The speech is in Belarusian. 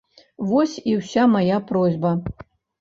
Вось і ўся мая просьба.